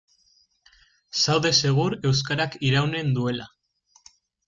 Zaude segur euskarak iraunen duela.